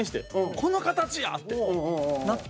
この形や！ってなった。